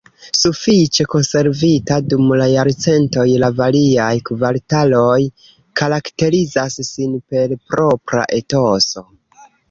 Sufiĉe konservita dum la jarcentoj, la variaj kvartaloj karakterizas sin per propra etoso.